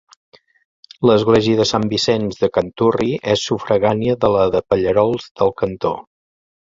L'església de Sant Vicenç de Canturri és sufragània de la de Pallerols del Cantó.